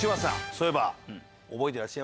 そういえば。